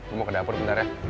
gue mau ke dapur bentar ya